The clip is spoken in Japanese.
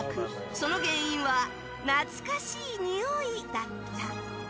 その原因は懐かしいにおいだった。